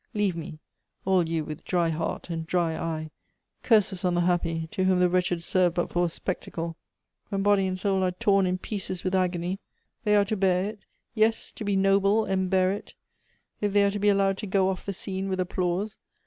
Leave me, all you with dry heart and dry eye. Curses on the happy, to whom the wretched serve but for a spectacle. "When body and soul are torn in pieces with agony, they are to bear it — yes, to be noble and bear it, if they are to be allowed to go off the scene with applause.